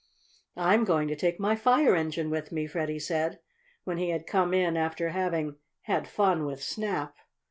"I'm going to take my fire engine with me," Freddie said, when he had come in after having had fun with Snap.